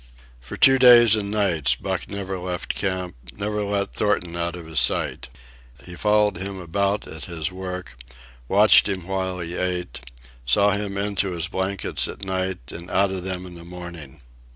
For two days and nights Buck never left camp, never let Thornton out of his sight. He followed him about at his work, watched him while he ate, saw him into his blankets at night and out of them in the morning.